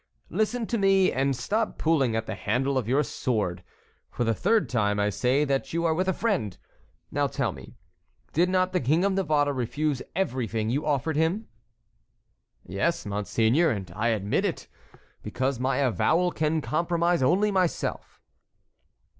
Listen to me, and stop pulling at the handle of your sword. For the third time I say that you are with a friend. Now tell me, did not the King of Navarre refuse everything you offered him?" "Yes, monseigneur, and I admit it, because my avowal can compromise only myself."